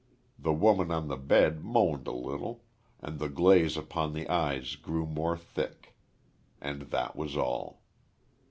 The woman on the bed moaned a little, and the glaze upon the eyes grew more thick. And that was all.